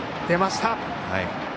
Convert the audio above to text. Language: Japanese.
出ました。